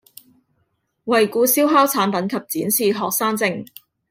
惠顧燒烤產品及展示學生證